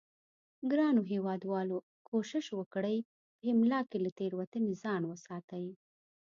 ګرانو هیوادوالو کوشش وکړئ په املا کې له تیروتنې ځان وساتئ